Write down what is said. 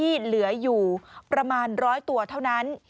จะอยู่ประมาณ๑๐๐ตัวเท่านั้น